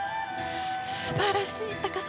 素晴らしい高さ！